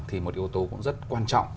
thì một yếu tố cũng rất quan trọng